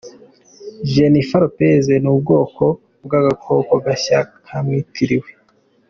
Jennifer Lopez n'ubwoko bw'agakoko gashya kamwitiriwe.